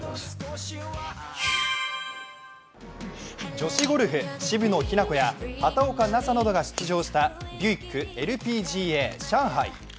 女子ゴルフ、渋野日向子や畑岡奈紗などが出場したビュイックＬＰＧＡ上海。